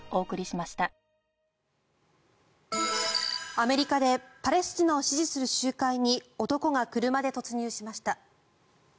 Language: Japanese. アメリカでパレスチナを支持する集会に男が車で突入しました。